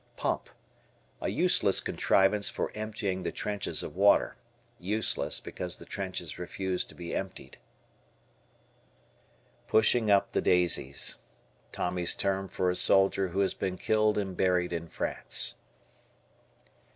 Pump. A useless contrivance for emptying the trenches of water. "Useless" because the trenches refuse to be emptied. "Pushing up the Daisies." Tommy's term for a soldier who has been killed and buried in France.